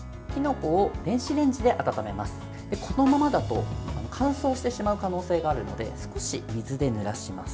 このままだと乾燥してしまう可能性があるので少し水でぬらします。